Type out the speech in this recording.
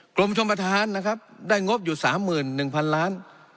กรมชมภาษานะครับได้งบอยู่สามหมื่นหนึ่งพันล้าน